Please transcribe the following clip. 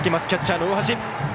キャッチャーの大橋。